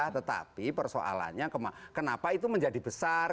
tetapi persoalannya kenapa itu menjadi besar